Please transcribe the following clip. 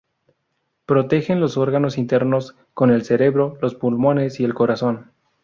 Protegen los órganos internos como el cerebro, los pulmones y el corazón.